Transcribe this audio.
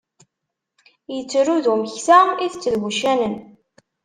Ittru d umeksa, itett d wuccanen.